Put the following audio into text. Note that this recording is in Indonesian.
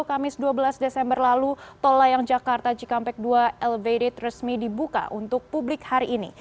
kamis dua belas desember lalu tol layang jakarta cikampek dua elevated resmi dibuka untuk publik hari ini